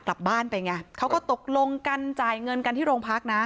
กลับบ้านไปไงเขาก็ตกลงกันจ่ายเงินกันที่โรงพักนะ